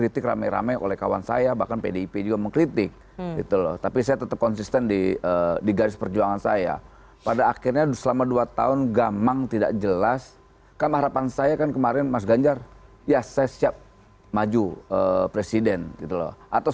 tapi karakter pak prabowo